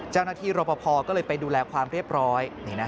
เจ้าหน้าที่รปภก็เลยไปดูแลความเรียบร้อย